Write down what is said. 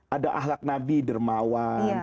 ada ahlak nabi dermawan